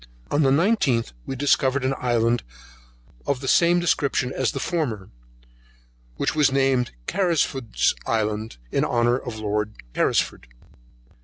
On the 19th we discovered an Island of the same description as the former, which was named Carrisfort Island, in honour of Lord Carrisfort.